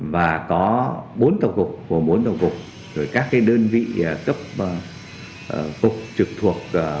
và có bốn tàu cục của bốn tàu cục rồi các cái đơn vị cấp cục trực thuộc